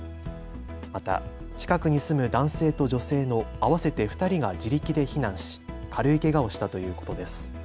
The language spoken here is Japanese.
また近くに住む男性と女性の合わせて２人が自力で避難し軽いけがをしたということです。